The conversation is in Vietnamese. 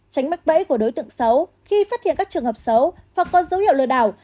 tránh mắc bẫy của đối tượng xấu khi phát hiện các trường hợp xấu hoặc có dấu hiệu lừa đảo